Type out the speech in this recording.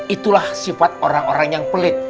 itulah sifat orang orang yang pelit